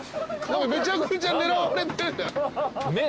めちゃくちゃ狙われてるじゃん。